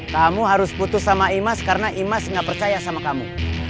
kamu harus putus sama imas karena imas nggak percaya sama kamu